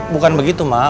bukan begitu mak